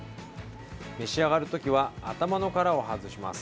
召し上がる時は頭の殻を外します。